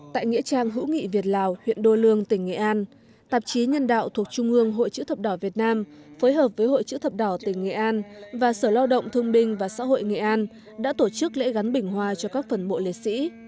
tại nghĩa trang hữu nghị việt lào huyện đô lương tỉnh nghệ an tạp chí nhân đạo thuộc trung ương hội chữ thập đỏ việt nam phối hợp với hội chữ thập đỏ tỉnh nghệ an và sở lao động thương binh và xã hội nghệ an đã tổ chức lễ gắn biển hoa cho các phần mộ liệt sĩ